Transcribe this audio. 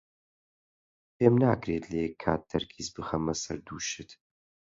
پێم ناکرێت لە یەک کات تەرکیز بخەمە سەر دوو شت.